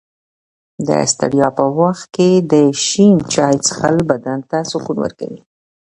د ستړیا په وخت کې د شین چای څښل بدن ته سکون ورکوي.